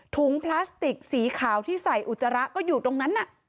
พลาสติกสีขาวที่ใส่อุจจาระก็อยู่ตรงนั้น